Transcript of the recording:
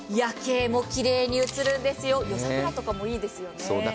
夜景もきれいに写るんですよ、夜桜とかもいいですね。